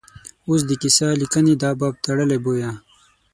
اوس د کیسه لیکنې دا باب تړلی بویه.